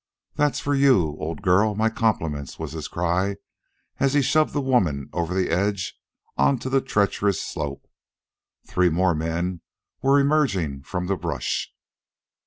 "That for you, old girl my compliments," was his cry, as he shoved the woman over the edge on to the treacherous slope. Three more men were emerging from the brush.